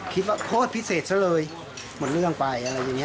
คิดว่าโทษพิเศษซะเลยหมดเรื่องไปอะไรอย่างนี้